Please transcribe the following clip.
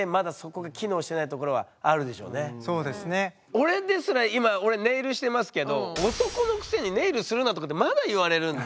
俺ですら今俺ネイルしてますけど「男のくせにネイルするな」とかってまだ言われるんで。